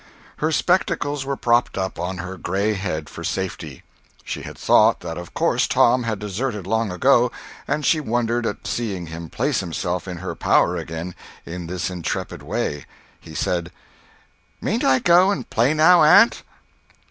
Her spectacles were propped up on her gray head for safety. She had thought that of course Tom had deserted long ago, and she wondered at seeing him place himself in her power again in this intrepid way. He said: "Mayn't I go and play now, aunt?"